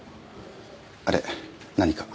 あれ何か？